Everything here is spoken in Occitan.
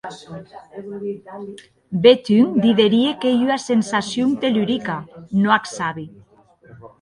Bèth un diderie qu'ei ua sensacion tellurica, non ac sabi.